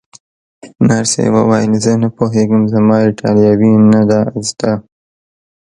نرسې وویل: زه نه پوهېږم، زما ایټالوي نه ده زده.